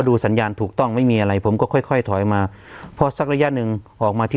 สัญญาณถูกต้องไม่มีอะไรผมก็ค่อยค่อยถอยมาพอสักระยะหนึ่งออกมาที่